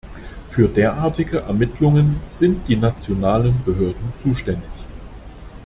Für derartige Ermittlungen sind die nationalen Behörden zuständig.